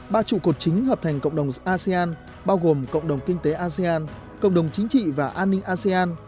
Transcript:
ba trụ cột chính hợp thành cộng đồng asean bao gồm cộng đồng kinh tế asean cộng đồng chính trị và an ninh asean